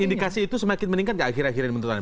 indikasi itu semakin meningkat gak akhir akhirin bentuknya